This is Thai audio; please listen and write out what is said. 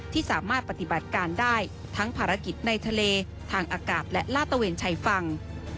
ที่สามารถปฏิบัติการได้ทั้งภารกิจในทะเลทางอากาศและลาดตะเวนชายฝั่ง